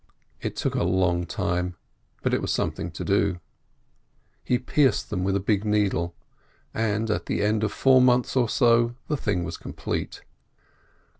It took a long time, but it was something to do. He pierced them with a big needle, and at the end of four months or so the thing was complete.